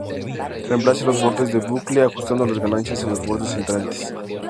Reemplace los bordes de bucle ajustando las ganancias en los bordes entrantes.